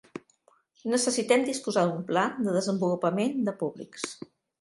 Necessitem disposar d'un pla de desenvolupament de públics.